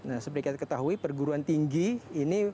nah seperti kita ketahui perguruan tinggi ini